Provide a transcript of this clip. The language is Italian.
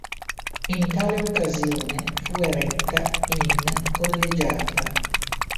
In tale occasione fu eretta in collegiata.